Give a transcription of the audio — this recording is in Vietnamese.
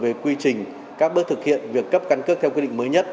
về quy trình các bước thực hiện việc cấp căn cước theo quy định mới nhất